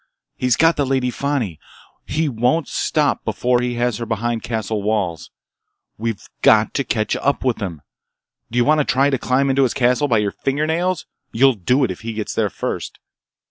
He's got the Lady Fani! He won't stop before he has her behind castle walls! We've got to catch up with him! Do you want to try to climb into his castle by your fingernails? You'll do it if he gets there first!"